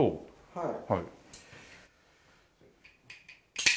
はい。